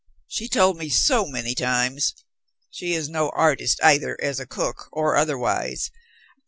She told me so many times. She is no artist either as a cook or otherwise.